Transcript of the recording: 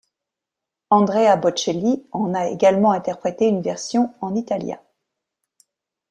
Andrea Bocelli en a également interprété une version en italien.